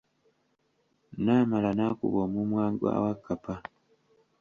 Naamala n'akuba omumwa gwa Wakkapa.